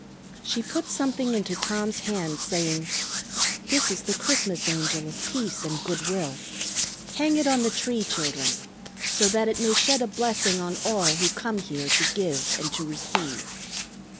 She put something into Tom's hand saying, "This is the Christmas Angel of peace and good will. Hang it on the tree, children, so that it may shed a blessing on all who come here to give and to receive."